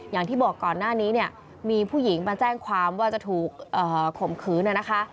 อย่างที่บอกก่อนหน้านี้เนี่ยมีผู้หญิงมาแจ้งความว่าจะถูกข่มขืนนะคะ